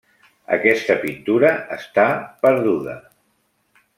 Aquesta pintura està perduda.